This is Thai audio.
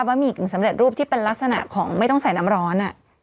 หมี่กึ่งสำเร็จรูปที่เป็นลักษณะของไม่ต้องใส่น้ำร้อน